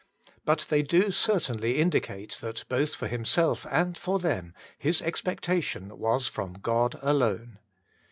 But they do certainly indicate that both for himself and for them his expectation was from God alone.